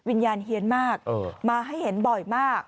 วิญญาณเฮียนมากมาให้เห็นบ่อยมาก